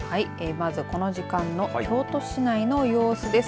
まずこの時間の京都市内の様子です。